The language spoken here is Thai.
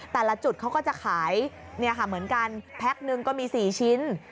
แต่ละจุดเขาก็จะขายเหมือนกันแพ็คนึงก็มี๔ชิ้น